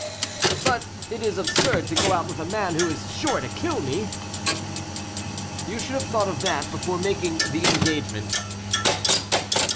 "But it is absurd to go out with a man who is sure to kill me." "You should have thought of that before making the engagement."